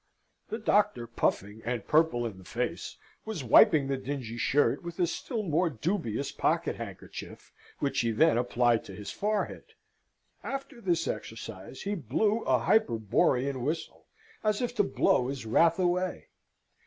The Doctor, puffing, and purple in the face, was wiping the dingy shirt with a still more dubious pocket handkerchief, which he then applied to his forehead. After this exercise, he blew a hyperborean whistle, as if to blow his wrath away.